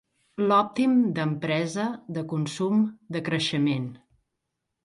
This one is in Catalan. L'òptim d'empresa, de consum, de creixement.